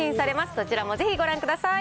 そちらもぜひご覧ください。